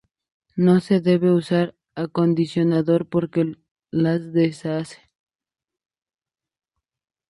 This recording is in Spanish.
No se debe usar acondicionador porque las deshace.